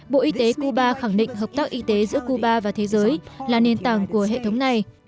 bộ y tế cuba khẳng định hợp tác y tế giữa cuba và thế giới là nền tảng của hệ thống này